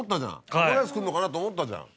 タコライス来るのかなと思ったじゃん。